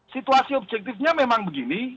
situasi objektifnya memang begini